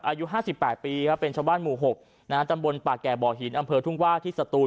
อายุ๕๘ปีครับเป็นชาวบ้านหมู่๖นะฮะตำบลป่าแก่บ่อหินอำเภอทุ่งว่าที่สตูน